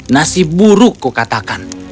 nasib buruk kukatakan